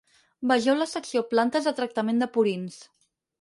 Vegeu la secció Plantes de tractament de purins.